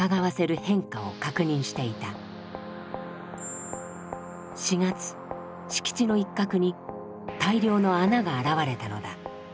敷地の一角に大量の穴が現れたのだ。